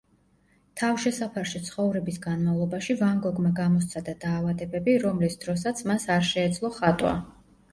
თავშესაფარში ცხოვრების განმავლობაში ვან გოგმა გამოსცადა დაავადებები, რომლის დროსაც მას არ შეეძლო ხატვა.